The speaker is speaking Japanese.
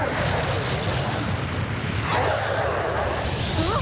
あっ！